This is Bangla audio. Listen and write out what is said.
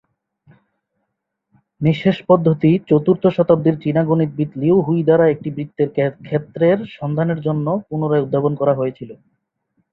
নিঃশেষ পদ্ধতি চতুর্থ শতাব্দীতে চীনা গণিতবিদ লিউ হুই দ্বারা একটি বৃত্তের ক্ষেত্রের সন্ধানের জন্য পুনরায় উদ্ভাবন করা হয়েছিল।